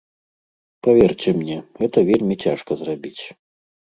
Паверце мне, гэта вельмі цяжка зрабіць.